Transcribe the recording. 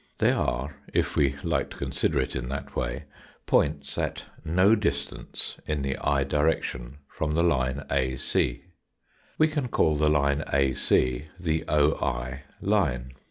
They are, if we like to consider it in that way, points at no distance in the i direction from the line AC. We can call the line AC the oi line.